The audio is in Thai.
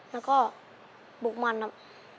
แล้วก็บุกมันครับ